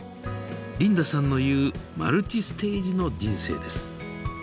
リンダさんの言うマルチステージの人生です。